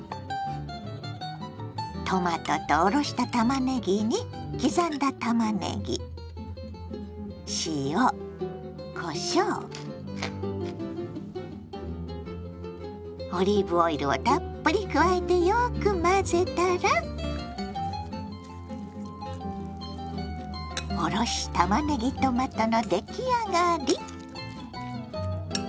トマトとおろしたたまねぎに刻んだたまねぎ塩こしょうオリーブオイルをたっぷり加えてよく混ぜたら「おろしたまねぎトマト」の出来上がり。